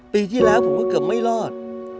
ปีที่แล้วผมก็เกือบไม่รอด